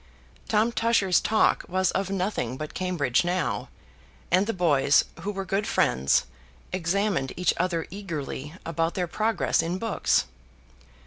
Tom Tusher's talk was of nothing but Cambridge now; and the boys, who were good friends, examined each other eagerly about their progress in books.